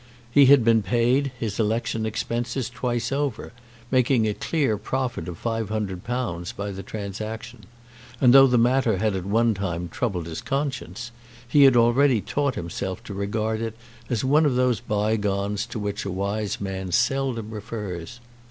He had been paid his election expenses twice over, making a clear profit of £500 by the transaction; and, though the matter had at one time troubled his conscience, he had already taught himself to regard it as one of those bygones to which a wise man seldom refers.